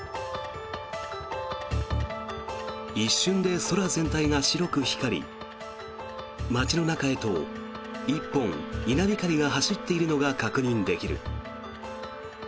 一瞬で空全体が白く光り街の中へと１本、稲光が走っているのが確認できる。